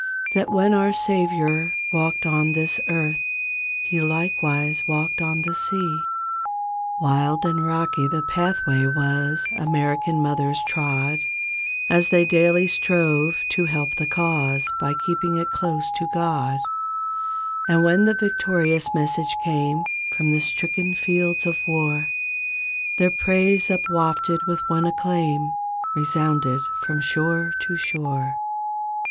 That when our Savior walked on this earth. He likewise walked on the sea.'^ 40 Wild and rocky the pathway was American mothers trod As they daily strove to help the cause By keeping it close to God; And when the victorious message came From the stricken fields of war Their praise upwafted with one acclaim Resounded from shore to shore.